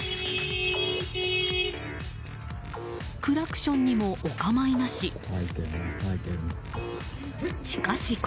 クラクションにもお構いなし。